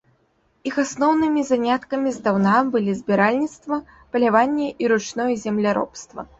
Іх асноўнымі заняткамі здаўна былі збіральніцтва, паляванне і ручное земляробства.